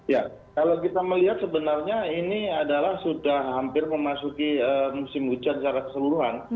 ya kalau kita melihat sebenarnya ini adalah sudah hampir memasuki musim hujan secara keseluruhan